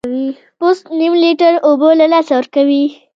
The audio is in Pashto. پوست نیم لیټر اوبه له لاسه ورکوي.